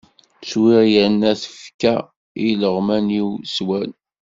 Swiɣ, yerna tefka i ileɣwman-iw, swan.